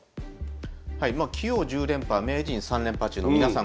棋王１０連覇名人３連覇中の皆さん